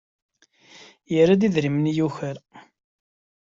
Yerra-d idrimen i yuker.